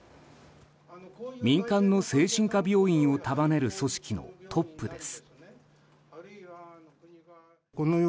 民間の精神科病院を束ねる組織のトップです。